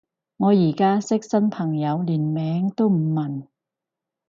我而家識新朋友連名都唔問